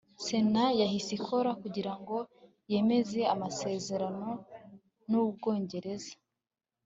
sena yahise ikora kugira ngo yemeze amasezerano n'ubwongereza